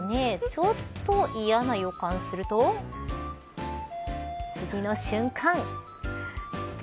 ちょっと嫌な予感すると次の瞬間。